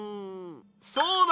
そうだ！